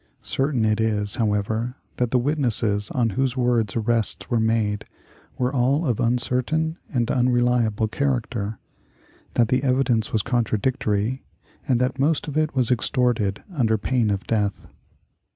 Certain it is, however, that the witnesses on whose words arrests were made were all of uncertain and unreliable character; that the evidence was contradictory, and that most of it was extorted under pain of death.